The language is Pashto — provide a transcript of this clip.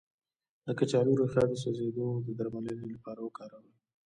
د کچالو ریښه د سوځیدو د درملنې لپاره وکاروئ